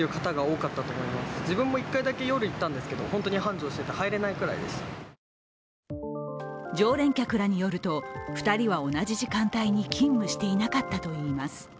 常連客は常連客らによると、２人は同じ時間帯に勤務していなかったといいます。